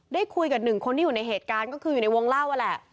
ได้คุยกับหนึ่งคนที่อยู่ในเหตุการณ์ก็คืออยู่ในวงเล่าแหละ